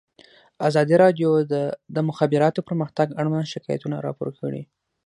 ازادي راډیو د د مخابراتو پرمختګ اړوند شکایتونه راپور کړي.